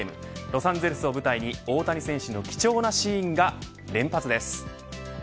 ロサンゼルスを舞台に大谷選手の貴重なシーンが連発です。